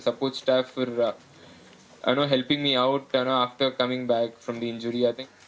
saya sangat beruntung untuk memiliki kemampuan ini